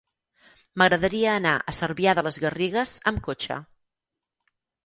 M'agradaria anar a Cervià de les Garrigues amb cotxe.